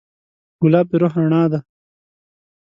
ګلاب د روح رڼا ده.